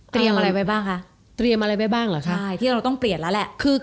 อะไรไว้บ้างคะเตรียมอะไรไว้บ้างเหรอคะใช่ที่เราต้องเปลี่ยนแล้วแหละคือ